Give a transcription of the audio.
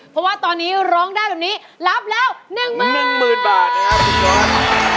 เพราะว่าตอนนี้ร้องได้แบบนี้รับแล้วหนึ่งหมื่นบาทหนึ่งหมื่นบาทนะครับคุณจอด